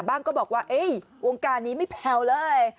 บ้างก็บอกว่าเอ๊ยวงการนี้ไม่แพลวเลย